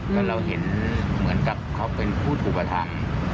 ก็เห็นเหมือนเป็นพูดถูกประทำ